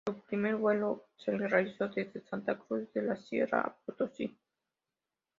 Su primer vuelo se realizó desde Santa Cruz de la Sierra a Potosí.